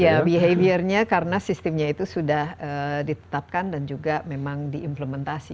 iya behaviornya karena sistemnya itu sudah ditetapkan dan juga memang diimplementasi